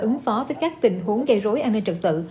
ứng phó với các tình huống gây rối an ninh trật tự